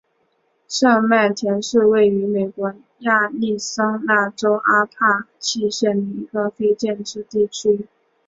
上麦田是位于美国亚利桑那州阿帕契县的一个非建制地区。